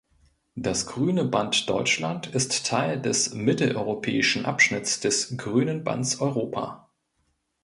Das Grüne Band Deutschland ist Teil des mitteleuropäischen Abschnitts des Grünen Bands Europa.